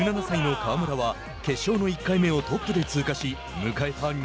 １７歳の川村は決勝の１回目をトップで通過し迎えた